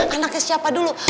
anaknya siapa dulu